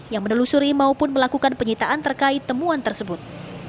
yang menelusuri maupun melakukan penyitaan terkait temuan tersebut